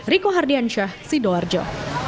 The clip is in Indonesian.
riko hardiansyah sidoarjo